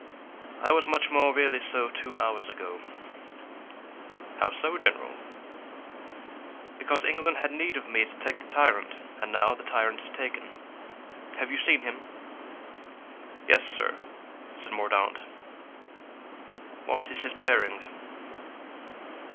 "I was much more really so two hours ago." "How so, general?" "Because England had need of me to take the tyrant, and now the tyrant is taken. Have you seen him?" "Yes, sir." said Mordaunt. "What is his bearing?"